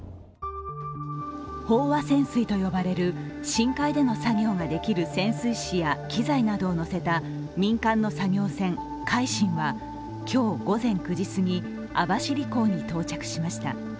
飽和潜水と呼ばれる深海での作業ができる潜水士や機材などをのせた民間の作業船「海進」は今日午前９時すぎ網走港に到着しました。